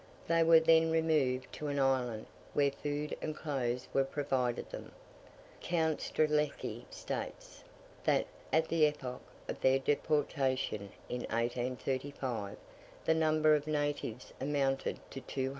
They were then removed to an island, where food and clothes were provided them. Count Strzelecki states, that "at the epoch of their deportation in 1835, the number of natives amounted to 210.